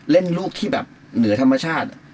ลูกที่แบบเหนือธรรมชาติ